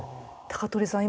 高取さん